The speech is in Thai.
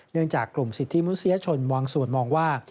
เนื่องจากกลุ่มสิทธิมนุษยชนมวังสวนมองว่า